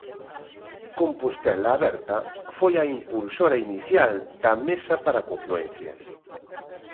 Compostela Aberta foi a impulsora inicial da Mesa para a Confluencia.